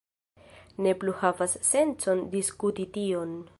Ne plu havas sencon diskuti tion.